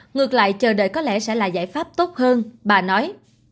ngược lại chờ đợi có lẽ sẽ là giải pháp tốt hơn bà nói